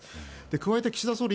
加えて岸田総理